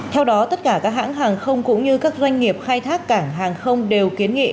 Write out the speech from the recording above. theo đó tất cả các hãng hàng không cũng như các doanh nghiệp khai thác cảng hàng không đều kiến nghị